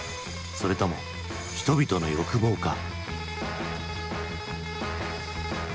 それとも人々の欲望か。